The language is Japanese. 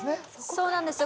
そうなんですよ